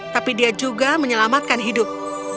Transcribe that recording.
tapi dia juga menyelamatkan hidup